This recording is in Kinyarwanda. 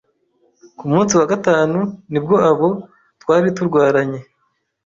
Ku munsi wa gatanu nibwo abo twari turwaranye